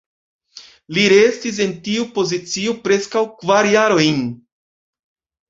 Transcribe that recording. Li restis en tiu pozicio preskaŭ kvar jarojn.